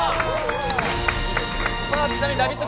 ちなみにラヴィット！